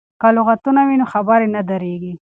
که لغتونه وي نو خبرې نه دریږي.